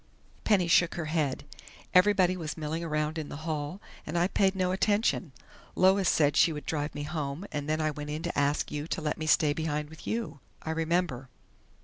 Penny shook her head. "Everybody was milling around in the hall, and I paid no attention. Lois said she would drive me home, and then I went in to ask you to let me stay behind with you " "I remember....